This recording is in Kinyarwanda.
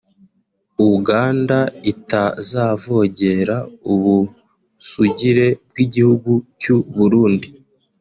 Uganda itazavogera ubusugire bw’igihugu cy’u Burundi